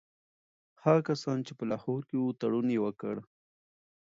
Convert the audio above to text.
هغه کسان چي په لاهور کي وو تړون یې وکړ.